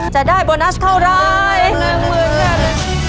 จะได้โบนัสเท่าไหร่